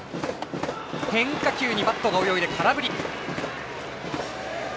変化球にバットが泳いで空振り。